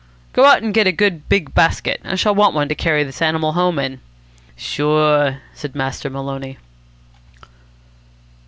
"Go out and get a good big basket. I shall want one to carry this animal home in." "Sure," said Master Maloney.